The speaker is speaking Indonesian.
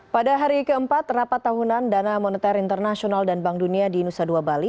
pada hari keempat rapat tahunan dana moneter internasional dan bank dunia di nusa dua bali